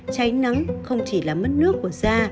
cháy nắng không chỉ là mất nước của da